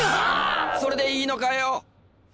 それでいいのかよ！